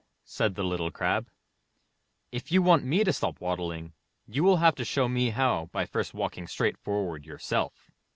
'* said the Little Crab, *'if you want me to stop waddling, you will have to show me how by first walking straight forward yourself!